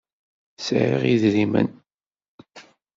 Sɛiɣ idrimen.